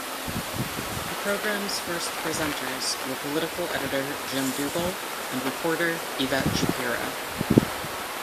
The programme's first presenters were political editor Jim Dougal and reporter Yvette Shapiro.